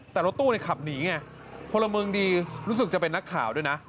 แต่รถตู้ขับหนีไงพลเมืองดีรู้สึกจะเป็นนักข่าวด้วยนะ